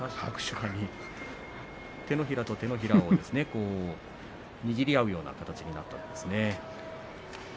手のひらと手のひらを握り合うような形になったんですね。